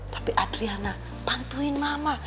tapi dia ngasih bantuin mama